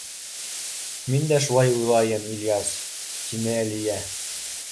— Мин дә шулай уйлайым, Ильяс, — тине Әлиә.